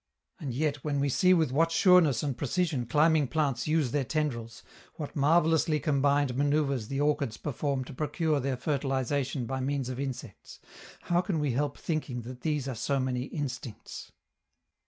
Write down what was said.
And yet, when we see with what sureness and precision climbing plants use their tendrils, what marvelously combined manoeuvres the orchids perform to procure their fertilization by means of insects, how can we help thinking that these are so many instincts?